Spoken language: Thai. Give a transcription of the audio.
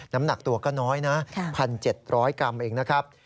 น้ำหนักตัวก็น้อยนะ๑๗๐๐กรัมเองนะครับ